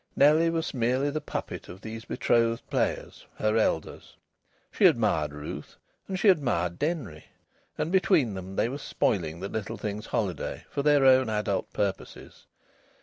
Nellie was merely the puppet of these betrothed players, her elders. She admired Ruth and she admired Denry, and between them they were spoiling the little thing's holiday for their own adult purposes.